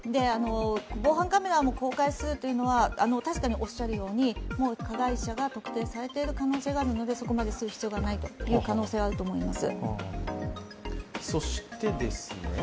防犯カメラも公開するというのは確かに加害者がもう特定されている可能性があるので、そこまでする必要がないという可能性はあります。